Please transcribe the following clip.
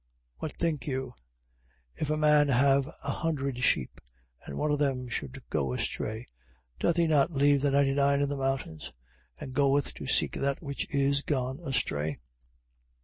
18:12. What think you? If a man have an hundred sheep, and one of them should go astray: doth he not leave the ninety nine in the mountains, and goeth to seek that which is gone astray?